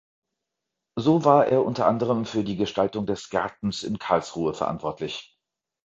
So war er unter anderem für die Gestaltung des Gartens in Karlsruhe verantwortlich.